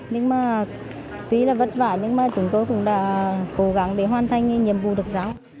nhưng mà tuy là vất vả nhưng mà chúng tôi cũng đã cố gắng để hoàn thành nhiệm vụ được giáo